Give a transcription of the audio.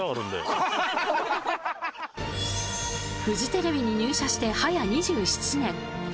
フジテレビに入社してはや２７年。